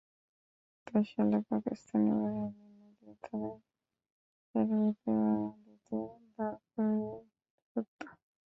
একাত্তর সালে, পাকিস্তানি বাহিনী নদীর ধারে সারবেঁধে বাঙালিদের দাঁড় করিয়ে গুলি করত।